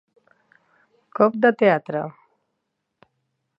Cop de teatre.